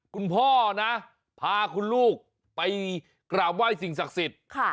คุณพ่อนะพาคุณลูกไปกราบไหว้สิ่งศักดิ์สิทธิ์